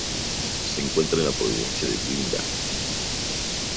Se encuentra en la provincia de Blida.